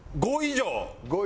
５以上。